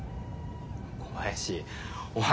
小林お前